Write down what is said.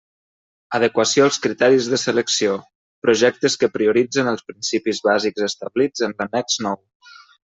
Adequació als criteris de selecció: projectes que prioritzen els principis bàsics establits en l'annex nou.